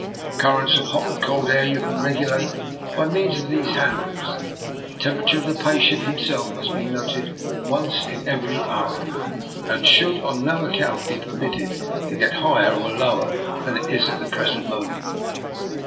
The currents of hot and cold air you can regulate by means of these handles. The temperature of the patient himself must be noted once in every hour, and should on no account be permitted to get higher or lower than it is at the present mo ment."